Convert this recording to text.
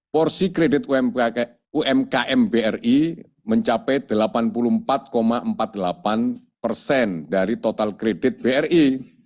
porsi kredit umkm bri mencapai delapan puluh empat empat puluh delapan persen dari total kredit bri